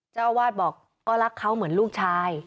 เจ้าอาวาสบอกก็รักเขาเหมือนลูกชาย